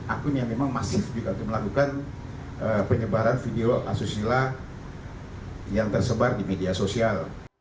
akun yang memang masif juga untuk melakukan penyebaran video asusila yang tersebar di media sosial